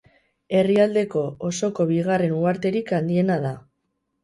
Herrialdeko osoko bigarren uharterik handiena da.